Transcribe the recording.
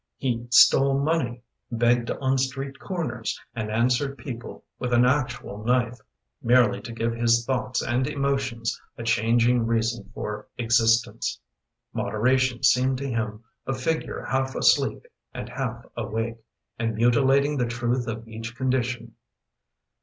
He stole money, begged on street corners, And answered people with an actual knife Merely to give his thoughts and emotions A changing reason for existence. Moderation seemed to him A figure half asleep and half awake And mutilating the truth of each condition.